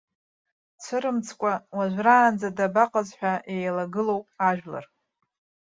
Дцәырымҵкәа, уажәраанӡа дабаҟаз ҳәа иеилагылоуп ажәлар.